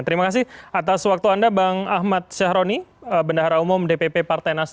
terima kasih atas waktu anda bang ahmad syahroni bendahara umum dpp partai nasdem